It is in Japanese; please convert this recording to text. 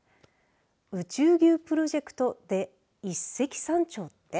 宇宙牛プロジェクトで一石三鳥って？